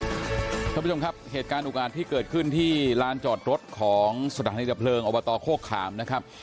คุณผู้ชมครับเหตุการณ์อุกอาจที่เกิดขึ้นที่ลานจอดรถของสถานีดับเพลิงอบตโคกขามนะครับ